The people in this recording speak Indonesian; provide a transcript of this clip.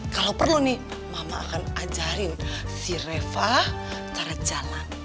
kalau perlu nih mama akan ajarin si reva cari jalan